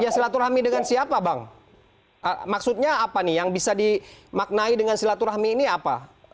silaturahmi dengan siapa bang maksudnya apa nih yang bisa dimaknai dengan silaturahmi ini apa